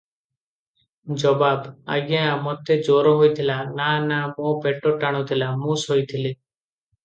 ଜବାବ - ଆଜ୍ଞା ମୋତେ ଜ୍ୱର ହୋଇଥିଲା - ନା ନା ମୋ ପେଟ ଟାଣୁ ଥିଲା, ମୁଁ ଶୋଇଥିଲି ।